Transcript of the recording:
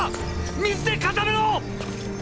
水で固めろ！！